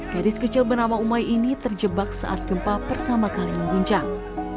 gadis kecil bernama umai ini terjebak saat gempa pertama kali mengguncang